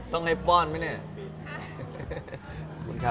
ต้องให้ป้อนไหมเนี่ย